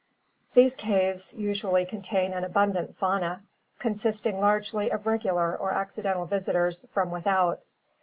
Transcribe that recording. These caves usually contain an abundant fauna, consisting largely of regular or accidental visitors from with out.